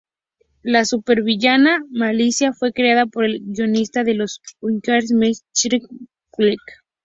La supervillana Malicia fue creada por el guionista de los "Uncanny X-Men", Chris Claremont.